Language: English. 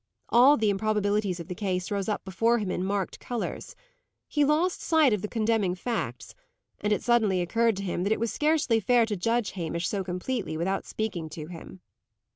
All the improbabilities of the case rose up before him in marked colours; he lost sight of the condemning facts; and it suddenly occurred to him that it was scarcely fair to judge Hamish so completely without speaking to him.